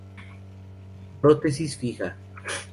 Prótesis Fija.